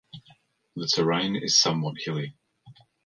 The terrain is somewhat hilly.